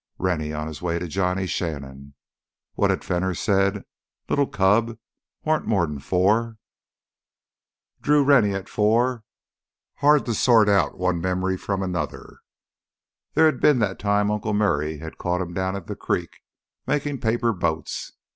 Rennie on his way to Johnny Shannon ... What had Fenner said "li'l cub ... warn't more 'n four." Drew Rennie at four—hard to sort out one very early memory from another. There had been that time Uncle Murray had caught him down at the creek, making paper boats.